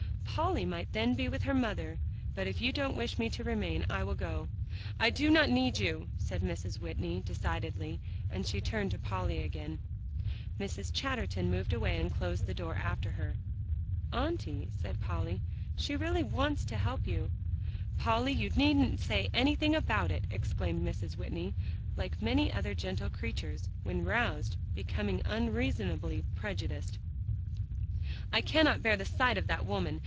"Polly might then be with her mother. But if you don't wish me to remain, I will go." "I do not need you," said Mrs. Whitney, decidedly, and she turned to Polly again. Mrs. Chatterton moved away, and closed the door after her. "Auntie," said Polly, "she really wants to help you." "Polly, you needn't say anything about it," exclaimed Mrs. Whitney, like many other gentle creatures, when roused, becoming unreasonably prejudiced; "I cannot bear the sight of that woman.